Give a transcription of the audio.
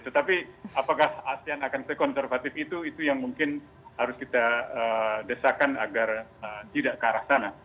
tetapi apakah asean akan sekonservatif itu yang mungkin harus kita desakan agar tidak ke arah sana